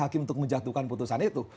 hakim untuk menjatuhkan putusan itu